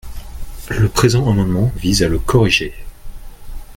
Le présent amendement vise à le corriger.